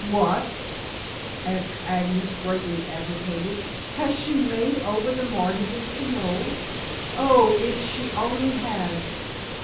"What?" asked Agnes greatly agitated. "Has she made over the mortgages to Noel? Oh, if she only has."